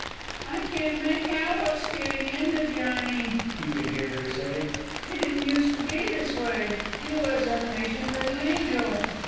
"I can't make out what's gittin' into Johnny," he could hear her say. "He didn't used to be this way. He was a patient little angel.